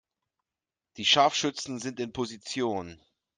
Die Scharfschützen sind in Position.